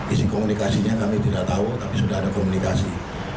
isi komunikasinya kami tidak tahu tapi sudah ada komunikasi